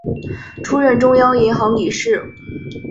出任中央银行理事。